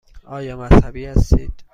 آیا مذهبی هستید؟